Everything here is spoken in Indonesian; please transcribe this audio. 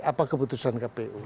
apa keputusan kpu